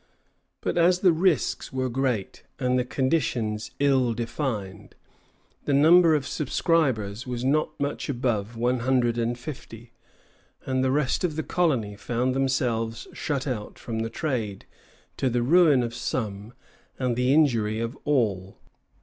But as the risks were great and the conditions ill defined, the number of subscribers was not much above one hundred and fifty; and the rest of the colony found themselves shut out from the trade, to the ruin of some, and the injury of all.